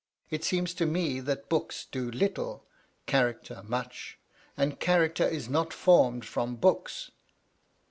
It seems to me that books do little ; character much ; and character is not foimed from books."